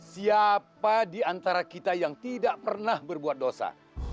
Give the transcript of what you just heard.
siapa di antara kita yang tidak pernah berbuat dosa